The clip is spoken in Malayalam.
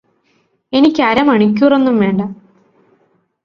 എനിക്ക് അരമണിക്കൂറൊന്നും വേണ്ട